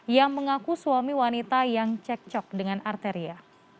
yang mengaku suami wanita yang cekcok dengan arteria